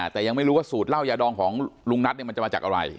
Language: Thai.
แต่ยังไม่รู้ว่าสูตรเหล้ายาดองของลุงนัทมันจะมาจากอะไร